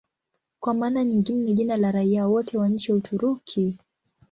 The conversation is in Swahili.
Kwa maana nyingine ni jina la raia wote wa nchi ya Uturuki.